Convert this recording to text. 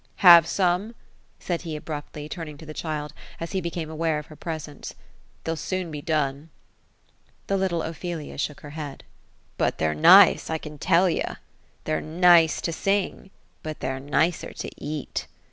" Have some ?" said he abruptly, turning to the child, as he became aware of her presence ;'' theyUl soon be dona'' The little Ophelia shook her head. 202 OPHELIA ;" But they're nice, I can tell ye. They're nice to sing — but they're nicer to eat."